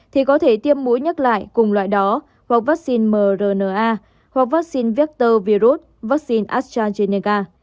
thì có thể tiêm mũi nhắc lại cùng loại đó hoặc vaccine mrna hoặc vaccine vector virus vaccine astrazeneca